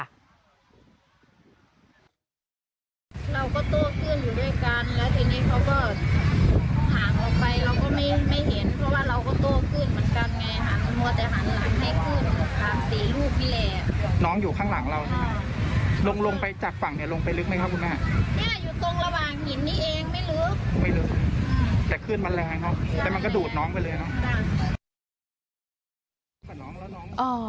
ไม่ลึกแต่คลื่นมันแรงเนาะแต่มันก็ดูดน้องไปเลยเนาะ